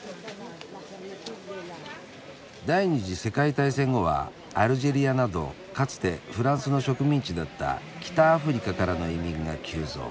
「第二次世界大戦後はアルジェリアなどかつてフランスの植民地だった北アフリカからの移民が急増。